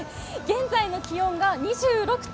現在の気温が２６．９度。